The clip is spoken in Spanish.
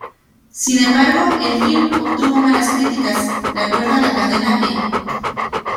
Sin embargo, el filme obtuvo malas críticas; de acuerdo a la cadena "E!